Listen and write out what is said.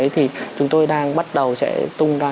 thì chúng tôi đang bắt đầu sẽ tung ra